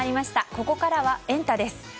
ここからはエンタ！です。